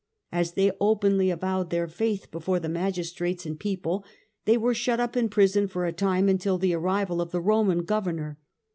As they openly avowed their faith before the magistrates and people, they were shut up in prison for a time until the arrival of the Roman governor.